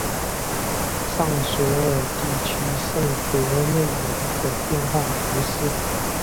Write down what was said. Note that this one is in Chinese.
尚索尔地区圣博内人口变化图示